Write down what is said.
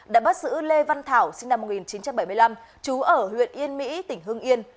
đã bắt giữ lê văn thảo sinh năm một nghìn chín trăm bảy mươi năm trú ở huyện yên mỹ tỉnh hưng yên